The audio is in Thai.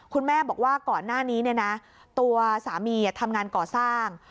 คุณแม่บอกว่าก่อนหน้านี้ตัวสามีทำงานก่อสร้าง